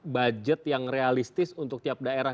budget yang realistis untuk tiap daerah